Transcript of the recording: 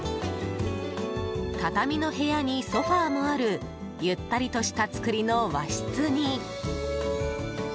畳の部屋にソファもあるゆったりとした造りの和室に。